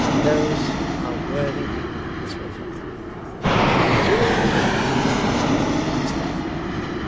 'Those are worthy people, Miss Wilfer.' 'Do you know them well?' asked Bella.